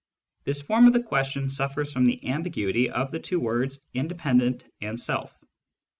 " This form of the question suffers from the ambiguity of the two words "inde pendent " and " self."